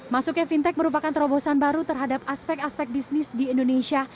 masuknya fintech merupakan terobosan baru terhadap aspek aspek bisnis di indonesia